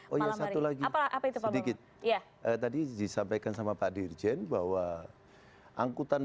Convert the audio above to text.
pak malam lagi apa apa itu sedikit ya tadi disampaikan sama pak dirjen bahwa angkutan